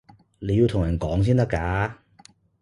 你要同人講先得㗎